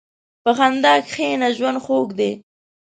په خندا کښېنه، ژوند خوږ دی.